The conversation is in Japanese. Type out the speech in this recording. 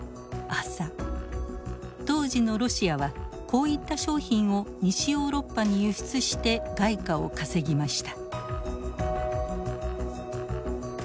当時のロシアはこういった商品を西ヨーロッパに輸出して外貨を稼ぎました。